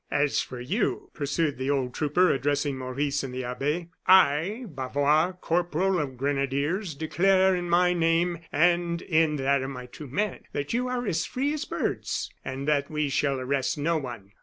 "As for you," pursued the old trooper, addressing Maurice and the abbe, "I, Bavois, corporal of grenadiers, declare in my name and in that of my two men, that you are as free as birds, and that we shall arrest no one.